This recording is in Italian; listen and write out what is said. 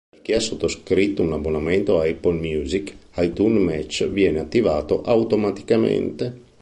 Per chi ha sottoscritto un abbonamento a Apple Music, iTunes Match viene attivato automaticamente.